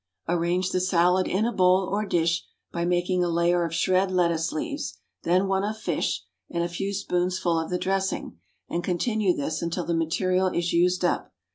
Arrange the salad in a bowl or dish by making a layer of shred lettuce leaves, then one of fish, and a few spoonsful of the dressing, and continue thus until the material is used up.